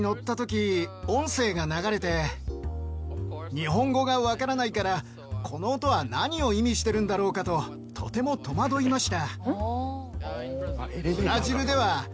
日本語がわからないからこの音は何を意味してるんだろうかととても戸惑いました。